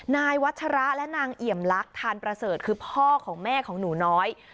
นายวัชระและนางเอี่ยมลักษ์ทานประเสริฐคือพ่อของแม่ของหนูน้อย